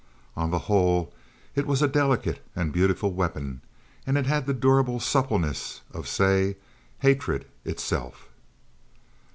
On the whole, it was a delicate and beautiful weapon and it had the durable suppleness of say hatred itself.